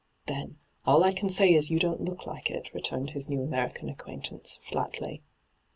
' Then, all I can say is you don't look like it,' returned his new American acquaintance, flatly.